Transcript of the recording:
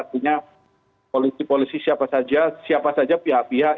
artinya polisi polisi siapa saja siapa saja pihak pihak